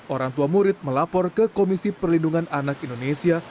orang tua murid melapor ke komisi perlindungan anak indonesia